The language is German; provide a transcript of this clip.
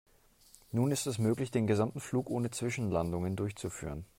Nun ist es möglich, den gesamten Flug ohne Zwischenlandungen durchzuführen.